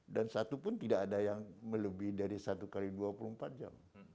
dan satupun tidak ada yang melebihi dari satu x dua puluh empat jam